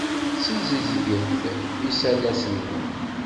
Sizedget iselas-nwen.